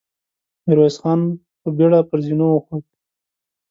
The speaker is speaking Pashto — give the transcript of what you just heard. ميرويس خان په بېړه پر زينو وخوت.